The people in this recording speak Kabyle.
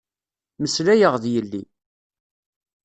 Meslayeɣ d yelli.